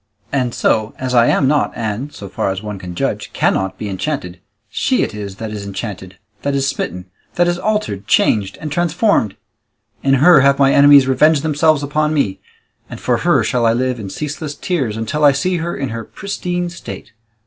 And so, as I am not and, so far as one can judge, cannot be enchanted, she it is that is enchanted, that is smitten, that is altered, changed, and transformed; in her have my enemies revenged themselves upon me, and for her shall I live in ceaseless tears, until I see her in her pristine state.